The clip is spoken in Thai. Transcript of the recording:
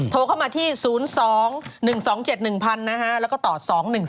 โทรเข้ามาที่๐๒๑๒๗๑แล้วก็ตอบ๐๒๑๓๕